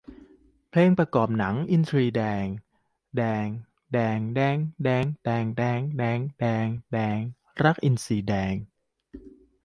เพลงประกอบหนัง : อินทรีแดง แดง แดง แด่ง แดง แด๊ง แดง แดง แด่ง แดง รักอินทรีแดง